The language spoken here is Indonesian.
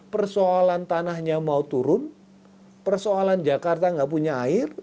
persoalan tanahnya mau turun persoalan jakarta nggak punya air